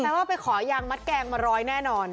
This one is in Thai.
ว่าไปขอยางมัดแกงมาร้อยแน่นอน